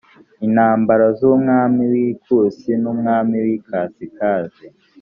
intambara z’umwami w’ikusi n’umwami w’ikasikazi